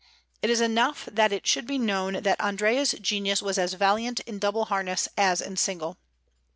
It is enough that it should be known that Andrea's genius was as valiant in double harness as in single."